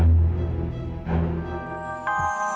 mereka akan berubah